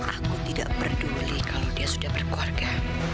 aku tidak peduli kalau dia sudah berkeluarga